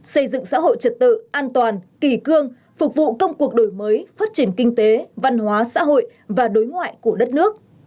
xây dựng xã hội trật tự an toàn kỳ cương phục vụ công cuộc đổi mới phát triển kinh tế văn hóa xã hội và đối ngoại của đất nước